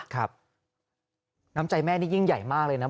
ครับน้ำใจแม่นี่ยิ่งใหญ่มากเลยนะ